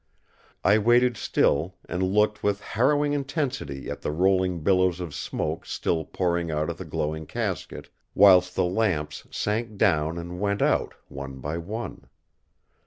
I waited still, and looked with harrowing intensity at the rolling billows of smoke still pouring out of the glowing casket, whilst the lamps sank down and went out one by one.